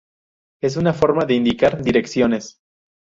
Es una forma de indicar direcciones.